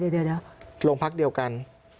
เดี๋ยวโรงพักเดียวกัน